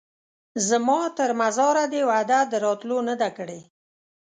زما تر مزاره دي وعده د راتلو نه ده کړې